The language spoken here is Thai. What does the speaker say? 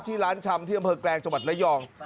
ที่ร้านชำเที่ยวเมืองแปลงจังหวัดระย่อง